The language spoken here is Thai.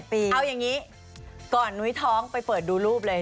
เอาอย่างนี้ก่อนนุ้ยท้องไปเปิดดูรูปเลย